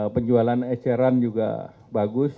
penjualan eceran juga bagus